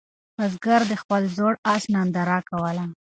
بزګر د خپل زوړ آس ننداره کوله.